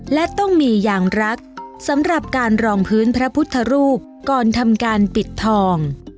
และต้องมีอย่างรักสำหรับการรองพื้นพระพุทธรูปก่อนทำการปิดทอง